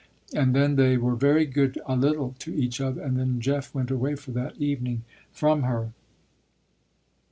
And then they were very good a little to each other, and then Jeff went away for that evening, from her.